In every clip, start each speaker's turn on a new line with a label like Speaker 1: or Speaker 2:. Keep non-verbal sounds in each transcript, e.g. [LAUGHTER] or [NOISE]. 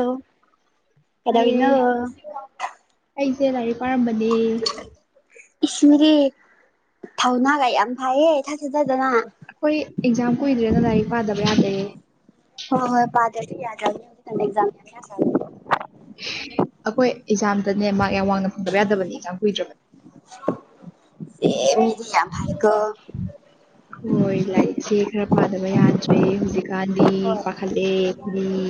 Speaker 1: ꯑꯣ ꯀꯩꯗꯧꯔꯤꯅꯣ
Speaker 2: ꯍꯥꯏꯔꯦ ꯑꯩꯁꯦ ꯂꯥꯏꯔꯤꯛ ꯄꯥꯔꯝꯕꯅꯦ
Speaker 1: ꯏꯁ ꯃꯤꯗꯤ ꯊꯧꯅꯥꯒ ꯌꯥꯝ ꯐꯩꯌꯦ ꯏꯊꯥ ꯊꯥꯖꯗꯅ
Speaker 2: ꯑꯩꯈꯣꯏ ꯑꯦꯛꯖꯥꯝ ꯀꯨꯏꯗ꯭ꯔꯦ ꯑꯗꯨꯅ ꯂꯥꯏꯔꯤꯛ ꯄꯥꯗꯕ ꯌꯥꯗꯦ
Speaker 1: ꯍꯣꯏ [UNINTELLIGIBLE]
Speaker 2: ꯑꯩꯈꯣꯏ ꯑꯦꯛꯖꯥꯝꯗꯅꯦ ꯃꯥꯔꯛ ꯌꯥꯝ ꯋꯥꯡꯅ ꯐꯪꯗꯕ ꯌꯥꯗꯕꯅꯤ ꯑꯦꯛꯖꯥꯝ ꯀꯨꯏꯗ꯭ꯔꯕꯅꯦ
Speaker 1: ꯃꯤꯗꯤ ꯌꯥꯝ ꯐꯩꯀꯣ
Speaker 2: ꯍꯣꯏ ꯂꯥꯏꯔꯤꯛꯁꯦ ꯈꯔ ꯄꯥꯗꯕ ꯌꯥꯗ꯭ꯔꯦ ꯍꯧꯖꯤꯛꯀꯥꯟꯗꯤ
Speaker 1: ꯍꯣꯏ
Speaker 2: ꯄꯥꯈꯠꯂꯑꯦ ꯈꯣꯏꯗꯤ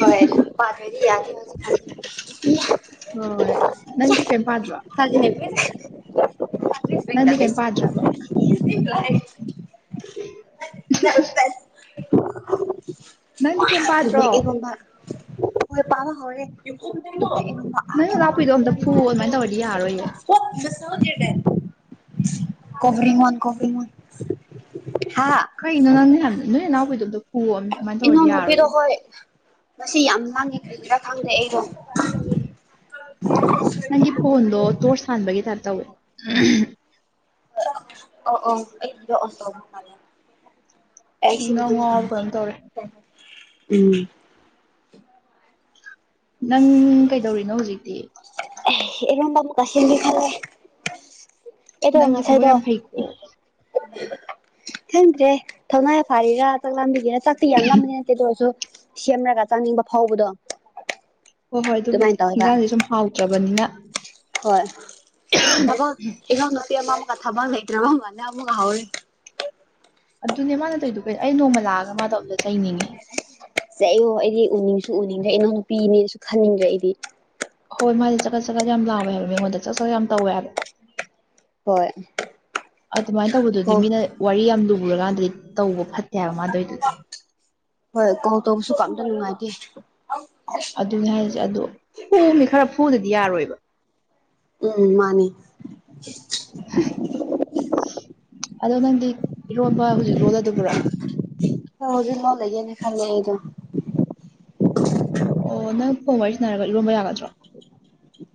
Speaker 1: ꯍꯣꯏ ꯄꯗ꯭ꯔꯥꯗꯤ ꯌꯥꯗꯦ ꯍꯧꯖꯤꯛꯀꯥꯟꯗꯤ
Speaker 2: ꯍꯣꯏ ꯅꯪꯗꯤ ꯀꯩꯝ ꯄꯥꯗ꯭ꯔꯣ ꯅꯪꯗꯤ ꯀꯩꯝ ꯄꯥꯗ꯭ꯔꯕ
Speaker 1: [UNINTELLIGIBLE]
Speaker 2: [UNINTELLIGIBLE] ꯅꯪꯗꯤ ꯀꯩꯝ ꯄꯥꯗ꯭ꯔꯣ
Speaker 1: ꯄꯨꯂꯩ ꯏꯔꯣꯝꯕ ꯍꯣꯏ ꯄꯥꯕ ꯍꯧꯔꯦ [UNINTELLIGIBLE]
Speaker 2: ꯅꯣꯏ ꯅꯅꯥꯎꯄꯤꯗꯣ ꯑꯝꯇ ꯐꯨꯋꯣ ꯑꯗꯨꯃꯥꯏꯅ ꯇꯧꯔꯗꯤ ꯌꯥꯔꯔꯣꯏꯌꯦ
Speaker 1: [UNINTELLIGIBLE] ꯀꯣꯚꯤꯃꯣꯟ ꯀꯣꯚꯤꯃꯣꯟ
Speaker 2: ꯀꯩꯅꯣ ꯅꯪ ꯅꯍꯥꯟ ꯅꯣꯏ ꯅꯥꯅꯎꯄꯤꯗꯣ ꯑꯗꯣ
Speaker 1: ꯏꯅꯥꯎ ꯅꯨꯄꯤꯗꯣ ꯈꯣꯏ ꯉꯁꯤ ꯌꯥꯝ ꯂꯥꯡꯉꯤ ꯑꯗꯨꯒꯤꯔꯥ ꯈꯪꯗꯦ ꯑꯩꯗꯣ
Speaker 2: ꯍꯥꯟꯕꯒꯤ ꯇꯏꯞ ꯇꯧꯋꯦ ꯑꯍꯝ
Speaker 1: ꯑꯣ ꯑꯣ ꯑꯩꯒꯤꯗꯣ ꯑꯣꯟ ꯇꯧꯕꯀꯟꯗꯅꯦ
Speaker 2: ꯑꯩ
Speaker 1: ꯑꯩꯁꯤ
Speaker 2: ꯏꯉꯥꯎ
Speaker 1: ꯃꯊꯪꯗ
Speaker 2: ꯉꯥꯎꯔꯕ ꯀꯩꯅꯣꯝ ꯇꯧꯔꯦ
Speaker 1: ꯇꯔꯦ ꯎꯝ
Speaker 2: ꯅꯪ ꯀꯩꯗꯧꯔꯤꯅꯣ ꯍꯧꯖꯤꯛꯇꯤ
Speaker 1: ꯑꯦ ꯏꯔꯣꯝꯕ ꯑꯃꯨꯛꯀ ꯁꯦꯝꯒꯦ ꯈꯥꯜꯂꯦ ꯑꯩꯗꯣ
Speaker 2: ꯅꯪꯁꯦ ꯊꯕꯛ
Speaker 1: ꯉꯁꯥꯏꯗꯣ
Speaker 2: ꯌꯥꯝ ꯐꯩꯀꯣ
Speaker 1: ꯈꯪꯗ꯭ꯔꯦ ꯊꯧꯅꯥ ꯐꯥꯔꯤꯔꯥ ꯆꯥꯛ ꯂꯥꯝꯕꯤꯒꯤꯔ ꯆꯥꯛꯇꯤ ꯌꯥꯝ ꯂꯝꯕꯗꯤ ꯅꯠꯇꯦ ꯑꯗꯨꯑꯣꯏꯔꯁꯨ ꯁꯦꯝꯔꯒ ꯆꯥꯅꯤꯡꯕ ꯐꯥꯎꯕꯗꯣ
Speaker 2: ꯍꯣꯏ ꯍꯣꯏ
Speaker 1: ꯑꯗꯨꯃꯥꯏꯅ
Speaker 2: ꯑꯗꯨꯕꯨꯗꯤ
Speaker 1: ꯇꯧꯋꯦꯕ
Speaker 2: ꯏꯟꯖꯥꯡꯁꯦ ꯁꯨꯝ ꯍꯥꯎꯇ꯭ꯔꯕꯅꯤꯅ
Speaker 1: ꯍꯣꯏ ꯇꯕꯛ ꯏꯟꯖꯥꯡ ꯅꯥꯄꯤꯃꯃꯨꯛ ꯀꯊꯕ ꯂꯩꯇ꯭ꯔꯕ ꯃꯜꯦ ꯑꯃꯨꯛ ꯍꯧꯔꯤ
Speaker 2: ꯑꯗꯨꯅꯦ ꯃꯥꯅ ꯇꯧꯗꯣ ꯑꯩ ꯅꯣꯡꯃ ꯂꯥꯛꯑꯒ ꯃꯥꯗꯣ ꯑꯝꯇ ꯆꯩꯅꯤꯡꯉꯤ
Speaker 1: ꯆꯩꯌꯣ ꯑꯩꯗꯤ ꯎꯅꯤꯡꯁꯨ ꯎꯅꯤꯡꯗ꯭ꯔꯦ ꯏꯅꯥꯎꯅꯨꯄꯤꯅꯦꯁꯨ ꯈꯟꯅꯤꯡꯗ꯭ꯔꯦ ꯑꯩꯗꯤ
Speaker 2: ꯍꯣꯏ ꯃꯥꯗꯤ ꯆꯒꯠ ꯆꯒꯠ ꯌꯥꯝ ꯂꯥꯎꯋꯦ ꯍꯥꯏꯕ ꯃꯤꯉꯣꯟꯗ ꯆꯥꯛ ꯆꯛ ꯌꯥꯝ ꯇꯧꯋꯦ ꯍꯥꯏꯕ
Speaker 1: ꯍꯣꯏ
Speaker 2: ꯑꯗꯨꯃꯥꯏꯅ ꯇꯧꯕꯗꯨꯗꯤ
Speaker 1: ꯀꯣꯜ
Speaker 2: ꯃꯤꯅ ꯋꯥꯔꯤ ꯌꯥꯝ ꯂꯨꯔꯀꯥꯟꯗꯗꯤ ꯇꯧꯕ ꯐꯠ
Speaker 1: ꯍꯣꯏ ꯀꯣꯂ ꯇꯧꯕꯁꯨ ꯄꯥꯛꯅ ꯅꯨꯉꯥꯏꯇꯦ
Speaker 2: ꯑꯗꯨꯅꯤ ꯍꯥꯏꯁꯦ ꯑꯗꯣ ꯐꯨꯃꯤ ꯈꯔ ꯐꯨꯗꯗꯤ ꯌꯥꯔꯣꯏꯕ
Speaker 1: ꯎꯝ ꯃꯥꯅꯤ
Speaker 2: ꯑꯗꯣ ꯅꯪꯗꯤ ꯏꯔꯣꯟꯕ ꯍꯧꯖꯤꯛ ꯂꯣꯜꯂꯗꯕ꯭ꯔꯣ
Speaker 1: ꯍ ꯍꯧꯖꯤꯛꯃꯛ ꯂꯩꯒꯦꯅꯦ ꯈꯜꯂꯦ ꯑꯩꯗꯣ
Speaker 2: ꯑꯣ ꯅꯪ ꯐꯣꯟ ꯋꯥꯔꯤ ꯁꯥꯅꯔꯒ ꯏꯔꯣꯟꯕ ꯌꯥꯒꯗ꯭ꯔꯣ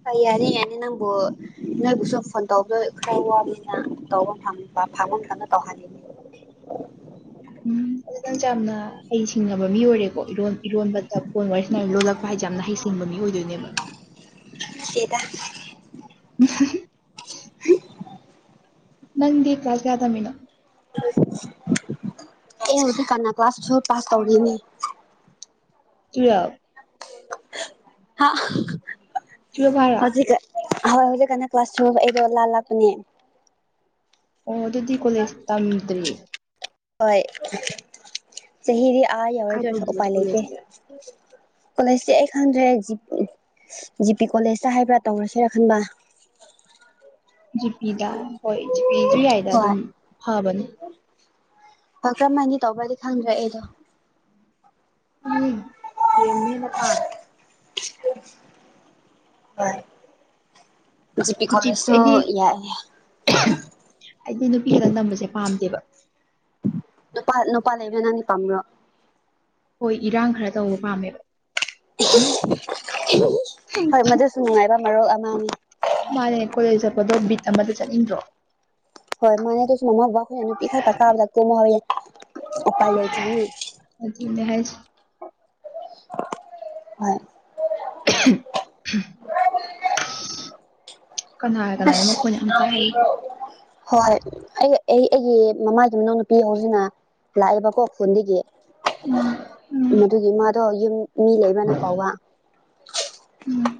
Speaker 1: ꯍ ꯌꯥꯅꯤ ꯌꯥꯅꯤ ꯅꯪꯕꯨ ꯅꯣꯏꯕꯨ ꯁꯨꯝ ꯐꯣꯟ ꯇꯧꯕꯗ ꯈꯔ ꯋꯥꯕꯅꯤꯅ ꯇꯧꯕ ꯐꯪ ꯐꯪꯕꯃꯇꯝꯗ ꯇꯧꯍꯜꯂꯤꯅꯦ
Speaker 2: [INAUDIBLE] ꯅꯪꯁꯦ ꯌꯥꯝꯅ ꯍꯩ ꯁꯤꯡꯉꯕ ꯃꯤ ꯑꯣꯏꯔꯦꯀꯣ ꯏꯔꯣꯟ ꯏꯔꯣꯟꯕꯗ ꯐꯣꯟ ꯋꯥꯔꯤ ꯁꯥꯅ ꯂꯣꯜꯂꯛꯄ ꯍꯥꯏꯁꯦ ꯌꯥꯝꯅ ꯍꯩ ꯁꯤꯡꯕ ꯃꯤ ꯀꯣꯏꯗꯣꯏꯅꯦꯕ
Speaker 1: ꯇꯦꯗ
Speaker 2: [UNINTELLIGIBLE] ꯅꯪꯗꯤ ꯀ꯭ꯂꯥꯁ ꯀꯌꯥ ꯇꯝꯃꯤꯅꯣ
Speaker 1: ꯑꯦ ꯍꯧꯖꯤꯛ ꯀꯥꯟꯅ ꯀ꯭ꯂꯥꯁ ꯇ꯭ꯋꯦꯜꯞ ꯄꯥꯁ ꯇꯧꯔꯤꯅꯤ
Speaker 2: ꯇꯨꯋꯦꯜꯞ
Speaker 1: ꯍꯥ
Speaker 2: ꯇ꯭ꯋꯦꯜꯞ ꯍꯥꯢꯔꯣ
Speaker 1: ꯑꯍꯣꯏ ꯍꯧꯖꯤꯛ ꯀꯥꯟ ꯀ꯭ꯂꯥꯁ ꯇꯨꯋꯦꯜꯞ ꯑꯩꯗꯣ ꯂꯥꯜ ꯂꯛꯄꯅꯦ
Speaker 2: ꯑꯣ ꯑꯗꯨꯗꯤ ꯀꯣꯂꯦꯖ ꯇꯝꯗ꯭ꯔꯤ
Speaker 1: ꯍꯣꯏ ꯆꯍꯤꯗꯤ ꯑꯥ ꯌꯧꯔꯦ
Speaker 2: ꯀꯥꯏ
Speaker 1: ꯑꯗꯨ ꯑꯣꯏꯔꯁꯨ
Speaker 2: ꯇꯧꯗꯣꯏꯕ
Speaker 1: ꯎꯄꯥꯏ ꯂꯩꯇꯦ
Speaker 2: ꯀꯣꯂꯦꯖꯇꯤ
Speaker 1: ꯀꯣꯂꯦꯖꯇꯤ ꯑꯩ ꯈꯪꯗ꯭ꯔꯦ ꯖꯤꯞ ꯖꯤꯄꯤ ꯀꯣꯂꯦꯖꯇ ꯍꯥꯏꯕ꯭ꯔꯥ ꯇꯧꯔꯁꯤꯔ ꯈꯟꯕ
Speaker 2: ꯖꯤꯄꯤꯗ ꯍꯣꯏ ꯖꯤꯄꯤꯁꯨ ꯌꯥꯏꯗ ꯑꯗꯨꯝ ꯐꯕꯅꯦ
Speaker 1: [UNINTELLIGIBLE] ꯇꯧꯕ꯭ꯔꯥꯗꯤ ꯈꯪꯗ꯭ꯔꯦ ꯑꯩꯗꯣ
Speaker 2: ꯑꯩꯗꯤ ꯗꯤ ꯑꯦꯝꯅ ꯍꯦꯟꯅ ꯄꯥꯝꯃꯦ
Speaker 1: ꯍꯣꯢ ꯖꯤ ꯄꯤ
Speaker 2: ꯖꯤꯄꯤ
Speaker 1: ꯀꯣꯂꯦꯖꯁꯨ
Speaker 2: ꯑꯩꯗꯤ
Speaker 1: ꯍꯥꯢꯌꯦ
Speaker 2: ꯑꯩꯗꯤ ꯅꯨꯄꯤ ꯈꯛꯇꯪ ꯇꯝꯕꯁꯦ ꯄꯥꯝꯗꯦꯕ
Speaker 1: ꯅꯨꯄꯥ ꯅꯨꯄꯥ ꯂꯩꯕꯅ ꯅꯪꯗꯤ ꯄꯥꯝꯕ꯭ꯔꯣ
Speaker 2: ꯍꯣꯏ ꯏꯔꯥꯡ ꯈꯔ ꯇꯧꯕ ꯄꯥꯝꯃꯦꯕ
Speaker 1: ꯍꯣꯏ ꯃꯗꯨꯁꯨ ꯅꯨꯡꯉꯥꯏꯕ ꯃꯔꯨ ꯑꯃꯅꯤ
Speaker 2: ꯃꯥꯅꯦ ꯀꯣꯂꯦꯖ ꯆꯠꯄꯗꯣ ꯕꯤꯠ ꯑꯃꯗ ꯆꯠꯅꯤꯡꯗ꯭ꯔꯣ
Speaker 1: ꯍꯣꯢ ꯃꯥꯟꯅꯦ ꯃꯃꯥ ꯕꯕꯥ ꯈꯣꯏꯅ ꯅꯨꯄꯤ ꯈꯛꯇ ꯀꯥꯕꯗ ꯀꯨꯝꯃꯣꯌꯦ ꯑꯣꯄꯥꯢ ꯂꯩꯇꯦꯅꯦ
Speaker 2: ꯑꯗꯨꯅꯦ ꯍꯥꯏꯁꯦ
Speaker 1: ꯍꯣꯏ
Speaker 2: ꯑꯍꯝ
Speaker 1: ꯑꯁ ꯍꯣꯏ ꯑꯩ ꯑꯩ ꯑꯩꯒꯤ ꯃꯃꯥꯒꯤ ꯃꯅꯥꯎꯅꯨꯄꯤ ꯍꯧꯖꯤꯅ ꯂꯥꯛꯑꯦꯕꯀꯣ ꯈꯨꯣꯟꯗꯒꯤ
Speaker 2: ꯎꯝ ꯎꯝ
Speaker 1: ꯃꯗꯨꯒꯤ ꯃꯥꯗꯣ ꯌꯨꯝ ꯃꯤ ꯂꯩꯕꯅ ꯀꯧꯕ
Speaker 2: ꯎꯝ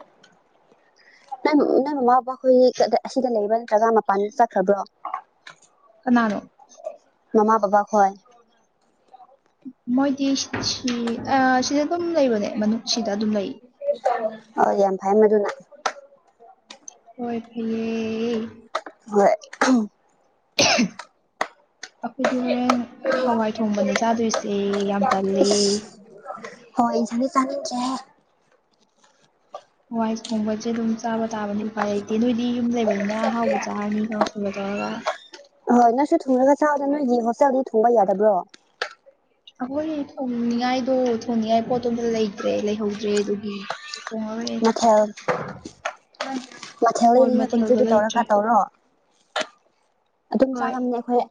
Speaker 1: ꯅꯪ ꯅꯪ ꯃꯃꯥ ꯕꯕꯥꯈꯣꯏ ꯑꯁꯤꯗ ꯂꯩꯕ ꯅꯠꯇ꯭ꯔꯒ ꯃꯄꯥꯟꯗ ꯆꯠꯈ꯭ꯔꯕ꯭ꯔꯣ
Speaker 2: ꯀꯅꯥꯅꯣ
Speaker 1: ꯃꯃꯥ ꯕꯕꯥ ꯈꯣꯢ
Speaker 2: ꯃꯣꯏꯗꯤ ꯁꯤ ꯁꯤ ꯁꯤꯗ ꯑꯗꯨꯝ ꯂꯩꯕꯅꯦ ꯃꯅꯨꯡ ꯁꯤꯗ ꯑꯗꯨꯝ ꯂꯩ
Speaker 1: ꯑ ꯌꯥꯝ ꯐꯩꯑꯦ ꯃꯗꯨꯅ
Speaker 2: ꯍꯣꯏ ꯐꯩꯌꯦ
Speaker 1: ꯍꯣꯏ ꯑꯍꯝ
Speaker 2: [UNINTELLIGIBLE] ꯑꯩꯈꯣꯏꯗꯤ ꯍꯣꯔꯦꯟ ꯍꯋꯥꯏ ꯊꯣꯡꯕꯅꯦ ꯆꯥꯗꯣꯏꯁꯦ ꯌꯥꯝ ꯇꯜꯂꯦ [INAUDIBLE]
Speaker 1: ꯍꯋꯥꯏ ꯏꯊꯟꯗ ꯆꯥꯅꯤꯡꯇ꯭ꯔꯦ
Speaker 2: ꯍꯋꯥꯏ ꯊꯣꯡꯕꯁꯦ ꯑꯗꯨꯝ ꯆꯥꯕ ꯇꯥꯕꯅꯤ ꯎꯄꯥꯏ ꯂꯩꯇꯦ ꯅꯣꯏꯗꯤ ꯌꯨꯝ ꯂꯩꯕꯅꯤꯅ ꯑꯍꯥꯎꯕ ꯆꯥꯔꯅꯤ ꯀꯥꯡꯁꯣꯏꯒꯗꯣ ꯊꯣꯡꯉꯒ
Speaker 1: ꯑꯥ ꯅꯪꯁꯨ ꯊꯣꯡꯂꯒ ꯆꯥꯕ꯭ꯔꯣ ꯅꯣꯏꯒꯤ ꯍꯣꯁꯇꯦꯜꯒꯤ ꯊꯣꯡꯕ ꯌꯥꯗꯕ꯭ꯔꯣ
Speaker 2: ꯑꯩꯈꯣꯏ ꯊꯣꯡꯅꯤꯡꯉꯥꯏꯗꯣ ꯊꯣꯡꯅꯤꯡꯉꯥꯏ ꯄꯣꯠꯇꯣ ꯂꯩꯇ꯭ꯔꯦ ꯂꯩꯍꯧꯗ꯭ꯔꯦ ꯑꯗꯨꯒꯤ ꯊꯣꯡꯉꯔꯣꯏ
Speaker 1: ꯃꯊꯦꯜ ꯃꯊꯦꯜ
Speaker 2: ꯍꯣꯏ
Speaker 1: ꯂꯩꯔꯤꯅ
Speaker 2: ꯃꯊꯦꯜꯗꯣ
Speaker 1: ꯀꯨꯟꯆꯕꯤ ꯇꯧꯔꯒ
Speaker 2: ꯂꯩꯇ꯭ꯔꯦ
Speaker 1: ꯇꯧꯔꯣ ꯑꯗꯨꯝ
Speaker 2: ꯍꯣꯏ
Speaker 1: ꯆꯥꯉꯝꯅꯦ ꯑꯩꯈꯣꯏ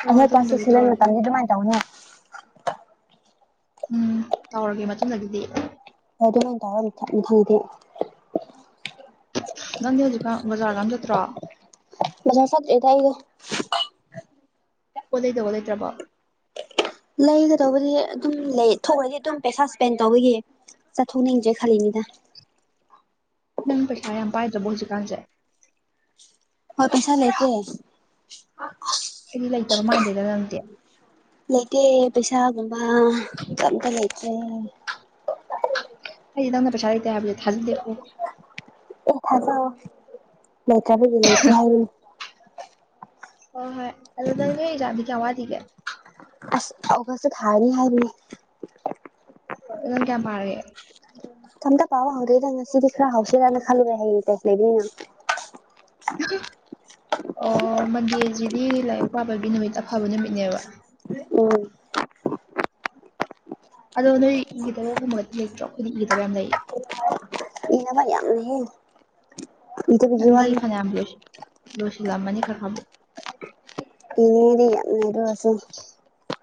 Speaker 2: ꯍꯣꯏ
Speaker 1: ꯑꯩꯍꯦ ꯀ꯭ꯂꯥꯁ ꯁꯤꯛꯁ
Speaker 2: ꯃꯇꯨꯡꯗꯒꯤ
Speaker 1: ꯁꯦꯚꯦꯟ
Speaker 2: ꯇꯧꯔꯒꯦ
Speaker 1: ꯃꯇꯝꯗꯤ ꯑꯗꯨꯃꯥꯏꯅ ꯇꯧꯕꯅꯦ
Speaker 2: ꯎꯝ ꯇꯧꯔꯒꯦ ꯃꯇꯨꯡꯗꯒꯤꯗꯤ
Speaker 1: ꯍꯣꯏ ꯑꯗꯨꯃꯥꯏꯅ ꯇꯧꯔꯣ ꯃꯊꯪ ꯃꯊꯪꯗꯤ
Speaker 2: ꯅꯪꯗꯤ ꯍꯧꯖꯤꯛꯀꯥꯟ ꯕꯖꯥꯔꯒ ꯑꯝꯇ ꯆꯠꯇ꯭ꯔꯣ
Speaker 1: ꯕꯖꯥꯔ ꯆꯠꯇꯦꯗ ꯑꯩꯗꯣ
Speaker 2: ꯄꯣꯠ ꯂꯩꯗꯧꯕ ꯂꯩꯇ꯭ꯔꯕꯣ
Speaker 1: ꯂꯩꯒꯗꯧꯕꯗꯤ ꯑꯗꯨꯝ ꯂꯩ ꯊꯣꯛꯂꯗꯤ ꯑꯗꯨꯝ ꯄꯩꯁꯥ ꯏꯁꯄꯦꯟ ꯇꯧꯕꯒꯤ ꯆꯠꯊꯣꯛꯅꯤꯡꯗ꯭ꯔꯦ ꯈꯜꯂꯤꯅꯤꯗ
Speaker 2: ꯅꯪ ꯄꯩꯁꯥ ꯌꯥꯝ ꯄꯥꯏꯗ꯭ꯔꯕ꯭ꯔꯣ ꯍꯧꯖꯤꯛꯀꯥꯟꯁꯦ
Speaker 1: ꯍꯣꯏ ꯄꯩꯁꯥ ꯂꯩꯇꯦ
Speaker 2: ꯑꯩꯗꯤ ꯂꯩꯇꯕ ꯃꯥꯟꯗꯦꯗ ꯅꯪꯗꯤ
Speaker 1: ꯂꯩꯇꯦ ꯄꯩꯁꯥꯒꯨꯝꯕ ꯀꯔꯤꯝꯃꯇ ꯂꯩꯇ꯭ꯔꯦ
Speaker 2: ꯑꯩꯗꯤ ꯅꯪꯅ ꯄꯩꯁꯥ ꯂꯩꯇꯦ ꯍꯥꯏꯕꯁꯤ ꯊꯖꯗꯦꯀꯣ
Speaker 1: ꯑꯦ ꯊꯥꯖꯧ ꯂꯩꯇ꯭ꯔꯕꯨꯗꯤ ꯂꯩꯇ꯭ꯔꯦ ꯍꯥꯏꯕꯅꯤ
Speaker 2: ꯍꯣꯏ ꯍꯣꯏ ꯑꯗꯣ ꯅꯣꯏ ꯅꯣꯏ ꯑꯦꯛꯖꯥꯝꯗꯤ ꯀꯌꯥꯝ ꯋꯥꯠꯂꯤꯒꯦ
Speaker 1: ꯑꯁ ꯇꯧꯗ꯭ꯔꯁꯨ ꯊꯥꯅꯤ ꯍꯥꯏꯕꯅꯤ
Speaker 2: ꯅꯪ ꯀꯌꯥꯝ ꯄꯥꯔꯒꯦ
Speaker 1: ꯀꯔꯤꯃꯇ ꯄꯥꯕ ꯍꯧꯗ꯭ꯔꯤꯗ ꯉꯁꯤꯗꯤ ꯈꯔ ꯄꯕꯥ ꯍꯧꯁꯤꯔꯥꯅ ꯈꯜꯂꯤꯅꯦ ꯍꯌꯦꯡ ꯇꯦꯁ ꯂꯩꯕꯅꯤꯅ
Speaker 2: [INAUDIBLE] ꯑꯣ ꯃꯟꯗꯦꯁꯤꯗꯤ ꯂꯥꯏꯔꯤꯛ ꯄꯥꯕꯒꯤ ꯅꯨꯃꯤꯠ ꯑꯐꯕ ꯅꯨꯃꯤꯠꯅꯦꯕ
Speaker 1: ꯎꯝ
Speaker 2: ꯑꯗꯣ ꯅꯣꯏ ꯏꯒꯗꯧꯕꯒꯨꯝꯕꯗꯤ ꯂꯩꯇ꯭ꯔꯣ ꯑꯩꯈꯣꯏꯗꯤ ꯏꯒꯗꯕ ꯌꯥꯝ ꯂꯩ
Speaker 1: ꯏꯅꯕ ꯌꯥꯝꯅꯍꯦ ꯏꯗꯕꯒꯤ
Speaker 2: ꯅꯪꯗꯤ
Speaker 1: ꯋꯥꯅꯤ
Speaker 2: ꯐꯅꯥꯌꯥꯝ ꯂꯣꯏꯁꯤꯟ ꯂꯣꯏꯁꯤꯟꯂꯝꯃꯅꯤ ꯅꯍꯥꯟꯃꯨꯛ
Speaker 1: ꯄꯤ ꯑꯦ ꯗꯤ ꯌꯥꯝꯃꯦꯗꯣ ꯑꯁꯨꯝ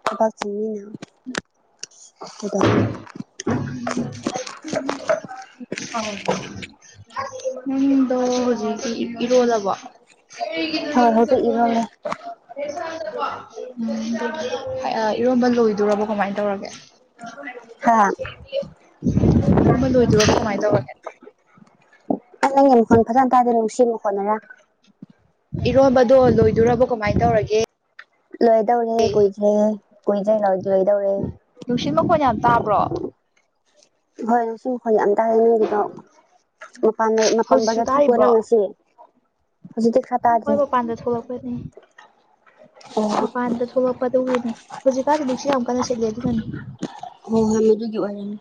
Speaker 1: ꯊꯕꯛ ꯆꯤꯟꯕꯅꯤꯅ ꯀꯩꯗꯧꯔꯤ
Speaker 2: [INAUDIBLE] ꯅꯪꯗꯣ ꯍꯧꯖꯤꯛꯇꯤ ꯏꯔꯣꯜꯂꯕ꯭ꯔꯣ
Speaker 1: ꯍꯣꯏ ꯍꯧꯖꯤꯛ
Speaker 2: ꯑꯦꯟꯁꯥꯡ ꯎꯝ
Speaker 1: ꯏꯔꯣꯜꯂꯦ
Speaker 2: ꯏꯔꯣꯟꯕ ꯂꯣꯏꯗꯣꯔꯕ꯭ꯔꯣ ꯀꯃꯥꯏ ꯇꯧꯔꯒꯦ
Speaker 1: ꯍꯥꯥ
Speaker 2: ꯏꯔꯣꯟꯕ ꯂꯣꯏꯗꯣꯔꯕ꯭ꯔꯣ ꯀꯃꯥꯏꯅ ꯇꯧꯔꯒꯦ
Speaker 1: ꯑꯩ ꯅꯪꯒꯤ ꯃꯈꯣꯟ ꯐꯖꯅ ꯇꯥꯗꯦ ꯅꯨꯡꯁꯤꯠ ꯃꯈꯣꯟꯅꯔꯥ
Speaker 2: ꯏꯔꯣꯟꯕꯗꯣ ꯂꯣꯏꯗꯣꯔꯕ꯭ꯔꯣ ꯀꯃꯥꯏꯅ ꯇꯧꯔꯒꯦ
Speaker 1: ꯂꯣꯏꯗꯧꯔꯦ ꯀꯨꯏꯗ꯭ꯔꯦ ꯀꯨꯏꯗ꯭ꯔꯦ ꯂꯣꯏꯗꯧꯔꯦ
Speaker 2: ꯅꯨꯡꯁꯤꯠ ꯃꯈꯣꯟ ꯌꯥꯝ ꯇꯥꯕ꯭ꯔꯣ
Speaker 1: ꯍꯣꯏ ꯅꯨꯡꯁꯤꯠ ꯃꯈꯣꯜ ꯌꯥꯝ ꯇꯥꯏꯌꯦ ꯀꯩꯅꯣ ꯃꯄꯥꯟ
Speaker 2: ꯍꯧꯖꯤꯛꯁꯨ
Speaker 1: ꯕꯖꯥꯔ ꯊꯣꯛꯄ꯭ꯔꯣ
Speaker 2: ꯇꯥꯔꯤꯕ꯭ꯔꯣ
Speaker 1: ꯅꯪ ꯉꯁꯤ ꯍꯧꯖꯤꯛꯇꯤ ꯈꯔ
Speaker 2: ꯍꯣꯏ
Speaker 1: ꯇꯥꯗ꯭ꯔꯦ
Speaker 2: ꯃꯄꯥꯟꯗ ꯊꯣꯛꯂꯛꯄꯅꯦ
Speaker 1: ꯑꯣ
Speaker 2: ꯃꯄꯥꯟꯗ ꯊꯣꯛꯂꯛꯄ ꯑꯗꯨꯒꯤꯅꯦ ꯍꯧꯖꯤꯛꯀꯥꯟꯁꯦ ꯅꯨꯡꯁꯤꯠ ꯌꯥꯝ ꯀꯥꯟꯅ ꯁꯤꯠꯂꯦ ꯑꯗꯨꯅꯅꯤ
Speaker 1: ꯍꯣꯏ ꯍꯣꯏ ꯑꯗꯨꯒꯤ ꯑꯣꯏꯔꯝꯅꯤ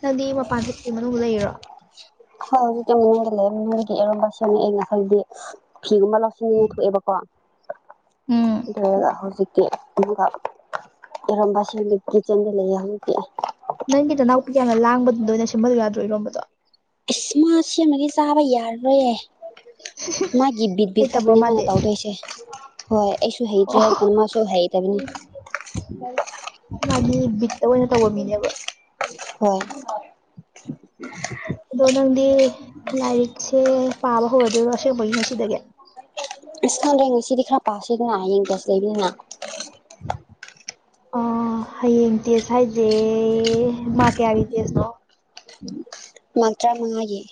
Speaker 2: ꯅꯪꯗꯤ ꯃꯄꯥꯟ ꯊꯣꯛꯇꯕꯤ ꯃꯅꯨꯡꯗ ꯂꯩꯔꯣ
Speaker 1: ꯍꯣꯏ ꯍꯧꯖꯤꯛꯇꯤ ꯃꯅꯨꯡꯗ ꯂꯩꯃꯤ ꯅꯣꯏꯒꯤ ꯑꯔꯣꯝꯕ ꯁꯦꯝꯃꯦꯕ ꯑꯩ ꯉꯁꯥꯏꯗꯤ ꯐꯤꯒꯨꯝꯕ ꯂꯧꯁꯤꯟꯅꯤꯡꯉꯥꯏ ꯊꯣꯛꯑꯦꯕꯀꯣ
Speaker 2: ꯎꯝ
Speaker 1: ꯀꯩꯗꯧꯗꯣꯏꯅꯣ ꯍꯧꯖꯤꯛ ꯑꯗꯨꯒ ꯏꯔꯣꯟꯕꯁꯤꯡ ꯀꯤꯆꯟꯗ ꯂꯩꯌꯦ ꯍꯧꯖꯤꯛꯇꯤ
Speaker 2: ꯅꯪꯒꯤ ꯅꯅꯥꯎꯄꯤ ꯌꯥꯝꯅ ꯂꯥꯡꯕꯗꯨꯗ ꯑꯣꯏꯅ ꯁꯦꯝꯍꯜꯂꯨ ꯌꯥꯗ꯭ꯔꯣ ꯏꯔꯣꯟꯕꯗꯣ
Speaker 1: ꯏꯁ ꯃꯥ ꯁꯦꯝꯃꯗꯤ ꯆꯥꯕ ꯌꯥꯔꯔꯣꯏꯌꯦ ꯃꯥꯒꯤ ꯕꯤꯠ ꯕꯤꯠ
Speaker 2: ꯍꯩꯇꯕ꯭ꯔꯣ
Speaker 1: ꯈꯛꯇꯅꯦ ꯃꯥꯅ
Speaker 2: ꯃꯥꯗꯤ
Speaker 1: ꯇꯧꯗꯣꯏꯁꯦ ꯍꯣꯏ ꯑꯩꯁꯨ
Speaker 2: ꯑꯣ
Speaker 1: ꯍꯩꯇ꯭ꯔꯦ ꯃꯥꯁꯨ ꯍꯩꯇꯕꯅꯤ
Speaker 2: ꯃꯗꯤ ꯕꯤꯠ ꯇꯣꯏꯅ ꯇꯧꯕ ꯃꯤꯅꯦꯕ
Speaker 1: ꯍꯣꯏ
Speaker 2: ꯑꯗꯣ ꯅꯪꯗꯤ ꯂꯥꯏꯔꯤꯛꯁꯦ ꯄꯥꯕ ꯍꯧꯔꯗꯣꯏꯔꯣ ꯑꯁꯦꯡꯕꯒꯤ ꯉꯁꯤꯗꯒꯤ
Speaker 1: ꯉꯁꯤꯗꯤ ꯈꯔ ꯄꯥꯁꯤꯗꯅ ꯍꯌꯦꯡ ꯇꯦꯁ ꯂꯩꯕꯅꯤꯅ
Speaker 2: [INAUDIBLE] ꯑ ꯍꯌꯦꯡ ꯇꯦꯁ ꯍꯥꯏꯖꯦ ꯃꯥꯛ ꯀꯌꯥꯒꯤ ꯇꯦꯁꯅꯣ [UNINTELLIGIBLE]
Speaker 1: ꯃꯥꯛ ꯇ꯭ꯔꯥꯃꯉꯥꯒꯤ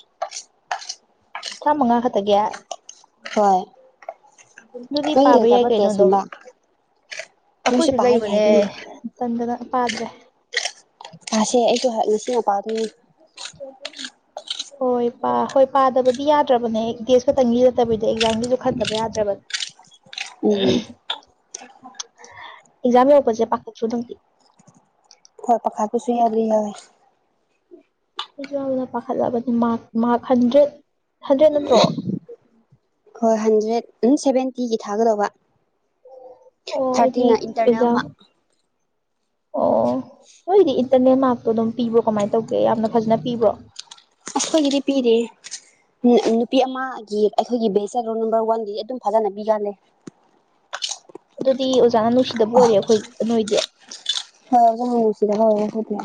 Speaker 2: ꯇ꯭ꯔꯥꯃꯉꯥ ꯈꯛꯇꯒꯤ
Speaker 1: ꯍꯣꯏ ꯅꯣꯏ ꯂꯩꯇꯕ ꯇꯦꯁꯅꯤꯕ
Speaker 2: ꯑꯈꯣꯏꯁꯨ ꯂꯩꯕꯅꯦ ꯇꯟꯗꯅ ꯄꯥꯗ꯭ꯔꯦ
Speaker 1: ꯄꯁꯦ ꯑꯩꯁꯨ ꯉꯁꯤꯅ ꯄꯥꯗꯣꯏꯅꯤ
Speaker 2: ꯍꯣꯏ ꯄꯥ ꯍꯣꯏ ꯄꯥꯗꯕꯗꯤ ꯌꯥꯗ꯭ꯔꯕꯅꯦ ꯇꯦꯖ ꯈꯛꯇꯪꯒꯤ ꯅꯠꯇꯕꯤꯗ ꯑꯦꯛꯖꯥꯝꯒꯤꯁꯨ ꯈꯟꯗꯕ ꯌꯥꯗ꯭ꯔꯕꯅꯦ
Speaker 1: ꯎꯝ
Speaker 2: ꯑꯍꯝ ꯑꯦꯛꯖꯝ ꯌꯧ ꯄꯖꯦ ꯄꯈꯥꯠꯄꯗꯨꯝ
Speaker 1: ꯍꯣꯏ ꯄꯈꯥꯠꯄꯁꯨꯨ ꯌꯥꯗ꯭ꯔꯤꯃꯜꯂꯦ
Speaker 2: ꯑꯩꯁꯨ ꯌꯥꯝꯅ ꯄꯥꯈꯠꯂꯕꯅꯤ ꯃꯥ ꯃꯥꯔꯛ ꯍꯥꯟꯗ꯭ꯔꯦꯠ ꯍꯥꯟꯗ꯭ꯔꯦꯠ ꯅꯠꯇ꯭ꯔꯣ
Speaker 1: ꯍꯣꯏ ꯍꯥꯟꯗ꯭ꯔꯦꯠ ꯑꯝ ꯁꯚꯦꯟꯇꯤꯒꯤ ꯊꯥꯒꯗꯧꯕ
Speaker 2: ꯑꯣ ꯑꯩꯗꯤ
Speaker 1: ꯊꯥꯔꯇꯤꯅ ꯏꯟꯇꯔꯅꯦꯜ
Speaker 2: ꯑꯦꯛꯖꯥꯝ
Speaker 1: ꯃꯥꯛ
Speaker 2: ꯑꯣ ꯅꯣꯏꯗꯤ ꯏꯟꯇꯔꯅꯦꯜ ꯃꯥꯔꯛꯇꯣ ꯑꯗꯨꯝ ꯄꯤꯕ꯭ꯔꯣ ꯀꯃꯥꯏꯅ ꯇꯧꯒꯦ ꯌꯥꯝꯅ ꯐꯖꯅ ꯄꯤꯕ꯭ꯔꯣ
Speaker 1: ꯑꯁ ꯈꯣꯏꯒꯤꯗꯤ ꯄꯤꯗꯦ ꯅꯨꯄꯤ ꯑꯃ ꯒꯤ ꯑꯩꯈꯣꯏꯒꯤ ꯕꯦꯁꯗ ꯔꯣꯜ ꯅꯥꯝꯕꯔ ꯋꯥꯟꯗꯤ ꯑꯗꯨꯝ ꯐꯖꯅ ꯄꯤꯒꯜꯂꯦ
Speaker 2: ꯑꯗꯨꯗꯤ ꯑꯣꯖꯥꯅ ꯅꯨꯡꯁꯤꯗꯕ ꯑꯣꯏꯔꯦ ꯑꯩꯈꯣꯏ ꯅꯣꯏꯗꯤ
Speaker 1: ꯍꯣꯏ ꯑꯗꯨꯝ ꯅꯨꯡꯁꯤꯗꯕ ꯑꯣꯏꯔꯦ ꯑꯩꯈꯣꯏꯗꯤ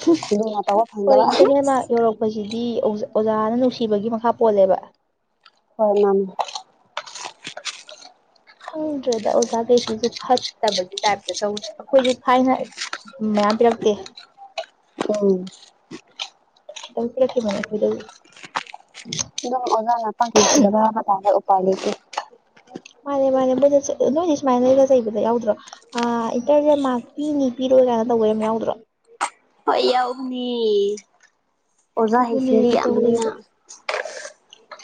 Speaker 2: ꯍꯨꯝ
Speaker 1: ꯂꯨꯅ ꯇꯧꯕ
Speaker 2: ꯍꯣꯏ
Speaker 1: ꯐꯪꯗꯕ
Speaker 2: ꯏꯟꯇꯔꯅꯦꯜ ꯃꯥꯛ ꯌꯧꯔꯛꯄꯖꯤ ꯏ ꯑꯣꯖꯥꯅ ꯅꯨꯡꯁꯤꯕꯒꯤ ꯃꯈꯥ ꯄꯣꯜꯂꯦꯕ
Speaker 1: ꯍꯣꯏꯃꯥꯟꯅꯦ
Speaker 2: ꯈꯪꯗ꯭ꯔꯦꯗ ꯑꯣꯖꯥꯒꯩꯁꯤꯖꯨ ꯐꯠꯇꯕꯒꯤ ꯇꯥꯏꯞꯇ ꯇꯧ ꯑꯩꯈꯣꯏꯁꯨ ꯊꯥꯏꯅ ꯃꯥꯌꯝ ꯌꯥꯝ ꯄꯤꯔꯛꯇꯦ
Speaker 1: ꯎꯝ
Speaker 2: ꯈꯤꯇꯪ ꯄꯤꯔꯛꯈꯤꯕꯅꯦ ꯑꯩꯈꯣꯏꯗꯗꯤ
Speaker 1: ꯑꯗꯨꯝ ꯑꯣꯖꯥꯅ ꯄꯥꯛ ꯅꯨꯁꯤꯗꯕ ꯍꯥꯏꯕꯇꯔꯦ ꯎꯄꯥꯏ ꯂꯩꯇꯦ
Speaker 2: ꯃꯥꯅꯦ ꯃꯥꯅꯦ ꯃꯣꯏꯅ ꯅꯣꯏꯗꯤ ꯁꯨꯃꯥꯏꯅ ꯆꯩꯕꯗ ꯌꯥꯎꯗ꯭ꯔꯣ ꯑꯥ ꯏꯟꯇꯔꯅꯦꯜ ꯃꯥꯔꯛ ꯄꯤꯅꯤ ꯄꯤꯔꯣꯏ ꯀꯥꯏꯅ ꯇꯧꯕ ꯌꯥꯝ ꯌꯥꯎꯗ꯭ꯔꯣ
Speaker 1: ꯍꯣꯏ ꯌꯥꯎꯕꯅꯦ ꯑꯣꯖꯥ ꯍꯩ
Speaker 2: ꯑꯗꯨꯅꯦ
Speaker 1: ꯁꯤꯡꯕꯤ ꯌꯥꯝꯕꯅꯤꯅ
Speaker 2: ꯇꯧꯋꯦꯕ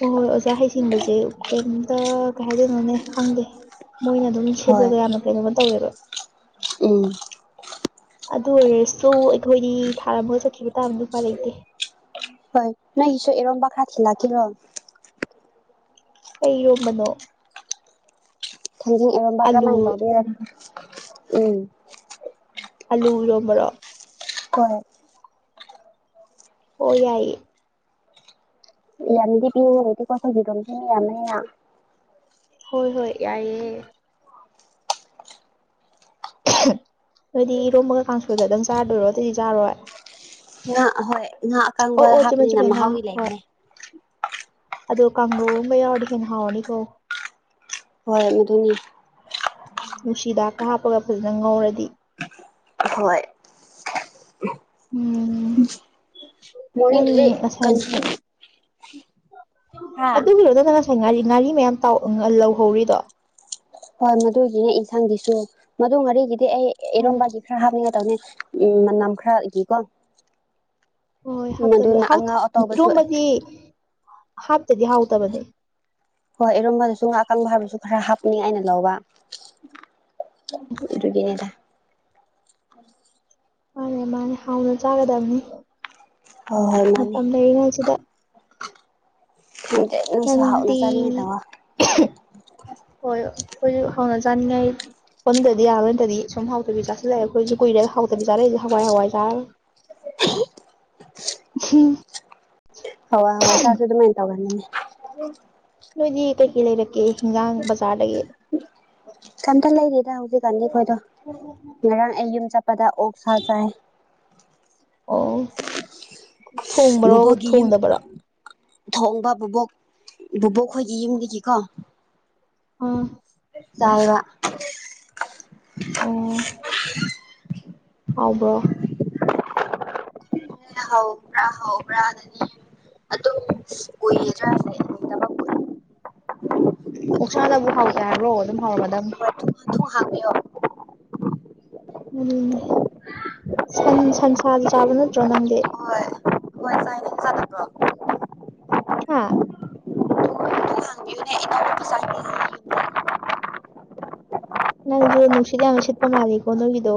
Speaker 2: ꯍꯣꯏ ꯍꯣꯏ ꯑꯣꯖꯥ ꯍꯩꯁꯤꯡꯕꯁꯦ ꯀꯩꯝꯇ ꯀꯩ ꯍꯥꯏꯗꯣꯏꯅꯣꯅꯦ ꯈꯪꯗꯦ ꯃꯣꯏꯅ ꯑꯗꯨꯝ
Speaker 1: ꯍꯣꯏ
Speaker 2: ꯁꯤꯜꯂꯒ ꯌꯥꯝꯅ ꯀꯩꯅꯣꯝꯃ ꯇꯧꯋꯦꯕ
Speaker 1: ꯎꯝ
Speaker 2: ꯑꯗꯨ ꯑꯣꯏꯔꯁꯨ ꯑꯩꯈꯣꯏꯗꯤ ꯊꯥꯔꯝꯃꯒ ꯆꯥꯠꯈꯤꯕ ꯇꯥꯕꯅꯤ ꯎꯄꯥꯏ ꯂꯩꯇꯦ
Speaker 1: ꯍꯣꯏ ꯅꯣꯏꯒꯤꯁꯨ ꯏꯔꯣꯝꯕ ꯈꯔꯥ ꯊꯤꯜꯂꯛꯀꯤꯔꯣ
Speaker 2: ꯀꯩ ꯏꯔꯣꯝꯕꯅꯣ
Speaker 1: ꯊꯪꯖꯤꯡ ꯏꯔꯣꯝꯕ
Speaker 2: ꯑꯂꯨ
Speaker 1: ꯀꯔꯝꯃꯥꯏꯅ ꯇꯧꯒꯦꯔ ꯎꯝ
Speaker 2: ꯑꯂꯨ ꯏꯔꯣꯝꯕꯔꯣ
Speaker 1: ꯀꯣꯏ
Speaker 2: ꯑꯣ ꯌꯥꯏꯌꯦ
Speaker 1: ꯌꯥꯝꯗꯤ ꯄꯤꯅꯤꯡꯉꯥꯏ ꯂꯩꯇꯦꯀꯣ ꯑꯩꯈꯣꯏꯒꯤ ꯏꯔꯣꯝꯕꯁꯦ ꯃꯤꯌꯥꯝꯕꯅꯤꯅ
Speaker 2: ꯍꯣꯏ ꯍꯣꯏ ꯌꯥꯏꯌꯦ ꯑꯗꯨꯗꯤ ꯏꯔꯣꯝꯕꯒ ꯀꯥꯡꯁꯣꯏꯒꯗꯪ ꯆꯥꯗꯣꯏꯔꯣ ꯑꯇꯩꯗꯤ ꯆꯥꯔꯔꯣꯏ
Speaker 1: ꯉꯥ ꯑꯍꯣꯏ ꯉꯥ ꯑꯀꯥꯡꯕ
Speaker 2: ꯆꯨꯝꯃꯦ
Speaker 1: ꯍꯥꯞꯄꯅꯤꯅ
Speaker 2: ꯆꯨꯝꯃꯦ ꯉꯥ
Speaker 1: ꯃꯍꯥꯎꯗꯤ
Speaker 2: ꯍꯣꯏ
Speaker 1: ꯂꯩꯕꯅꯦ
Speaker 2: ꯑꯗꯣ ꯀꯥꯡꯒꯧ ꯑꯝꯒ ꯌꯥꯎꯔꯗꯤ ꯍꯦꯟꯅ ꯍꯥꯎꯔꯅꯤꯀꯣ
Speaker 1: ꯍꯣꯏ ꯑꯗꯨꯅꯤ
Speaker 2: ꯅꯨꯡꯁꯤꯍꯤꯗꯥꯛꯀ ꯍꯥꯞꯄꯒ ꯐꯖꯅ ꯉꯧꯔꯗꯤ
Speaker 1: ꯍꯣꯏ
Speaker 2: ꯎꯝ ꯅꯪ
Speaker 1: ꯃꯣꯔꯅꯤꯡꯗꯗꯤ ꯀꯥꯟ
Speaker 2: ꯉꯁꯥꯏ ꯑꯗꯨꯒꯤꯔꯣ ꯅꯪꯅ ꯉꯁꯥꯏ ꯉꯥꯔꯤ ꯉꯥꯔꯤ ꯃꯌꯥꯝ ꯇꯥꯎ ꯂꯧꯍꯧꯔꯤꯗꯣ
Speaker 1: ꯍꯣꯏ ꯃꯗꯨꯒꯤꯅꯦ ꯏꯟꯁꯥꯡꯒꯤꯁꯨ ꯃꯗꯨ ꯉꯔꯤꯒꯤꯗꯤ ꯑꯩ
Speaker 2: ꯑꯣ
Speaker 1: ꯑꯦꯔꯣꯝꯕꯒꯤ ꯈꯔ ꯍꯥꯞꯅꯤꯡꯉꯥꯏ ꯇꯧꯅꯦ ꯎꯝ ꯃꯅꯝ ꯈꯔꯒꯤꯀꯣ
Speaker 2: ꯍꯣꯏ ꯍꯥꯞꯇꯕ
Speaker 1: ꯃꯗꯨꯅ
Speaker 2: ꯍꯥꯎ
Speaker 1: ꯑꯉꯥꯎ ꯑꯇꯥꯎꯕꯁꯨ
Speaker 2: ꯏꯔꯣꯝꯕꯗꯤ ꯍꯥꯞꯇꯗꯤ ꯍꯥꯎꯇꯕꯅꯦ
Speaker 1: ꯍꯣꯏ ꯏꯔꯣꯝꯕꯗꯁꯨ ꯉꯥ ꯑꯀꯪꯕ ꯍꯥꯏꯕꯁꯨ ꯈꯔ ꯍꯥꯞꯅꯤ ꯑꯩꯅ ꯂꯧꯕ ꯑꯗꯨꯒꯤꯅꯦꯗ
Speaker 2: ꯃꯥꯅꯦ ꯃꯥꯅꯦ ꯍꯥꯎꯅ ꯆꯥꯒꯗꯕꯅꯦ
Speaker 1: ꯍꯣꯏ ꯍꯣꯏ ꯃꯥꯅꯤ
Speaker 2: ꯃꯇꯝ ꯂꯩꯩꯔꯤꯉꯩ ꯁꯤꯗ
Speaker 1: ꯈꯪꯗꯦ ꯅꯣꯏꯁꯨ ꯍꯥꯎꯅ
Speaker 2: ꯅꯪꯗꯤ
Speaker 1: ꯆꯥꯅꯤꯡꯉꯦ ꯇꯧꯋꯣ
Speaker 2: ꯍꯣꯏ ꯈꯣꯏꯁꯨ ꯍꯥꯎꯅ ꯆꯥꯅꯤꯡꯉꯩ ꯑꯣꯟꯗꯗꯤ ꯌꯥꯔꯔꯣꯏ ꯅꯠꯇꯥꯗꯤ ꯁꯨꯝ ꯍꯥꯎꯇꯕꯤ ꯆꯥꯁꯤꯜꯂꯦ ꯑꯩꯈꯣꯏꯖꯨ ꯀꯨꯏꯔꯦ ꯍꯥꯎꯇꯕꯤ ꯆꯥꯔꯛꯏꯁꯦ ꯍꯋꯥꯏ ꯍꯋꯥꯏ ꯆꯥꯔꯒ
Speaker 1: [UNINTELLIGIBLE]
Speaker 2: [UNINTELLIGIBLE]
Speaker 1: ꯍꯋꯥꯏ ꯍꯋꯥꯏ ꯆꯥꯔꯁꯨ ꯑꯗꯨꯃꯥꯏꯟ ꯇꯧꯒꯟꯕꯅꯦ
Speaker 2: ꯅꯣꯏꯗꯤ ꯀꯩꯀꯩ ꯂꯩꯔꯛꯀꯦ ꯍꯤꯟꯖꯥꯡ ꯕꯖꯥꯔꯗꯒꯤ
Speaker 1: ꯀꯩꯝꯇ ꯂꯩꯗꯦꯗ ꯍꯧꯖꯤꯛ ꯀꯥꯟꯗꯗꯤ ꯈꯣꯏ ꯇꯣ ꯉꯔꯥꯡ ꯑꯩ ꯌꯨꯝ ꯆꯥꯠꯄꯗ ꯑꯣꯛꯁꯥ ꯆꯥꯏ
Speaker 2: ꯑꯣ ꯊꯣꯡꯕꯔꯣ
Speaker 1: ꯕꯨꯕꯣꯛꯒꯤ ꯌꯨꯝ
Speaker 2: ꯊꯣꯡꯗꯕꯔꯣ
Speaker 1: ꯊꯣꯡꯕ ꯕꯣꯕꯣꯛ ꯕꯣꯕꯣꯛ ꯈꯣꯏꯒꯤ ꯌꯨꯝꯗꯒꯤꯀꯣ
Speaker 2: ꯑꯥ
Speaker 1: ꯆꯥꯌꯦꯕ
Speaker 2: ꯑꯣ ꯍꯥꯎꯕ꯭ꯔꯣ
Speaker 1: [UNINTELLIGIBLE]
Speaker 2: ꯑꯣꯛꯁꯥꯅꯕꯨ ꯍꯥꯎꯇꯦ ꯍꯥꯏꯕ꯭ꯔꯣ ꯑꯗꯨꯝ ꯍꯥꯎꯔꯝꯃꯗꯝꯅꯤ
Speaker 1: ꯍꯣꯏ ꯊꯨꯅ ꯊꯣꯡ ꯍꯥꯡꯕꯤꯌꯣ
Speaker 2: ꯎꯝ ꯁꯟ ꯁꯟꯁꯥꯖꯨ ꯆꯥꯕ ꯅꯠꯇ꯭ꯔꯣ ꯅꯪꯗꯤ
Speaker 1: ꯍꯣꯏ ꯍꯣꯏ ꯆꯥꯏ ꯅꯪ ꯆꯥꯗꯕ꯭ꯔꯣ
Speaker 2: ꯍꯥꯥ
Speaker 1: ꯑꯗꯨ ꯍꯪꯕꯤꯌꯨꯅꯦ ꯏꯅꯥꯎꯅꯨꯄꯤ ꯆꯥꯏꯅꯦ ꯍꯥꯏꯌꯦ ꯌꯨꯝꯗ
Speaker 2: ꯅꯪꯖꯨ ꯅꯨꯡꯁꯤꯠ ꯌꯥꯝꯅ ꯁꯤꯠꯄ ꯃꯥꯜꯂꯤꯀꯣ ꯅꯣꯏꯒꯤꯗꯣ